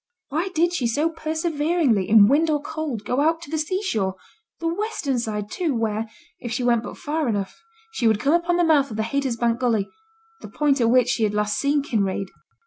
Why did she so perseveringly, in wind or cold, go out to the sea shore; the western side, too, where, if she went but far enough, she would come upon the mouth of the Haytersbank gully, the point at which she had last seen Kinraid?